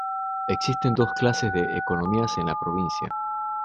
Existen dos clases de economías en la provincia.